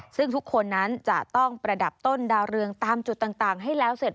ซึ่งทุกคนนั้นจะต้องประดับต้นดาวเรืองตามจุดต่างให้แล้วเสร็จ